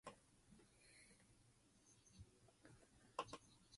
The staggering length was the longest of any open-wheel championship event.